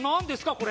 これ。